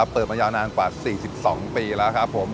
เปิดมายาวนานกว่า๔๒ปีแล้วครับผม